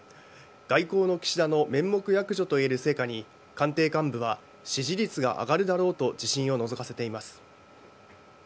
外交の岸田の面目躍如といえる成果に官邸幹部は支持率が上がるだろうと自信をのぞかせています。